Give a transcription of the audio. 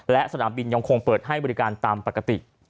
และสนามบินยังคงเปิดให้บริการตามปกติ